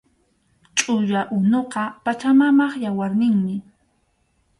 Chʼuya unuqa Pachamamap yawarninmi